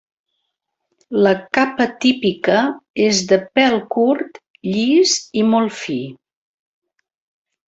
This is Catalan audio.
La capa típica és de pèl curt, llis i molt fi.